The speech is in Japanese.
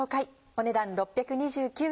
お値段６２９円。